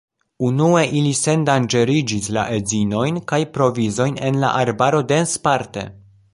Unue, ili sendanĝeriĝis la edzinojn kaj provizojn en la arbaro densparte.